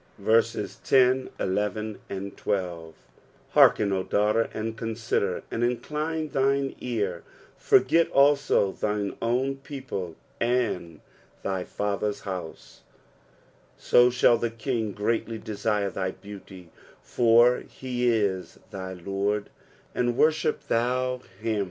10 Hearken, O daughter, and consider, and incline thine ear ; forget also thine own people, and thy father's house ; 11 So shall the king greatly desire thy beauty : for he i> thy Lord ; and worship thou him.